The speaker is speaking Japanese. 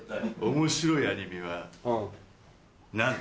面白いアニメは何だ？